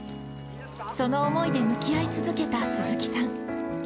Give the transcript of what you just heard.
その思いで向き合い続けた鈴木さん。